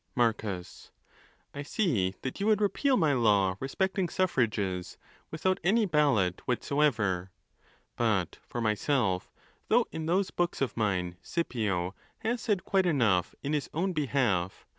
Marcus.—I see that you would repeal my law respecting suffrages, without any ballot whatsoever. But for myself, though in those books of mine Scipio has said quite enough in his own behalf